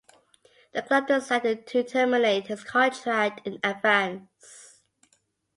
The club decided to terminate his contract in advance.